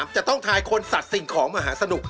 จะต้องทายคนสัตว์สิ่งของมหาสนุก